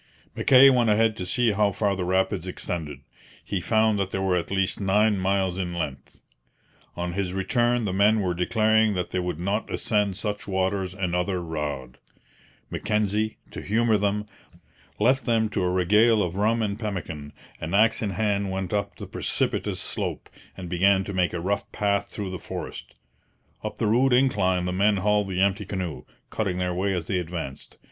Mackay went ahead to see how far the rapids extended. He found that they were at least nine miles in length. On his return the men were declaring that they would not ascend such waters another rod. Mackenzie, to humour them, left them to a regale of rum and pemmican, and axe in hand went up the precipitous slope, and began to make a rough path through the forest. Up the rude incline the men hauled the empty canoe, cutting their way as they advanced.